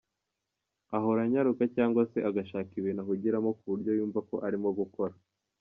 Ahora anyaruka cyangwa se agashaka ibintu ahugiramo ku buryo yumva ko arimo gukora.